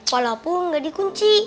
walaupun gak dikunci